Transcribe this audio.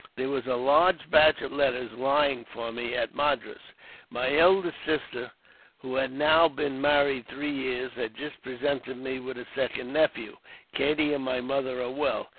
"There was a large batch of letters lying for me, at Madras. My eldest sister, who has now been married three years, has just presented me with a second nephew. Katie and my mother are well."